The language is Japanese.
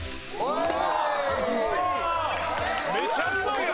うわめちゃうまいやん！